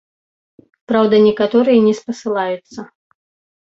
Праўда, некаторыя не спасылаюцца.